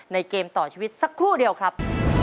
เกมต่อชีวิตสักครู่เดียวครับ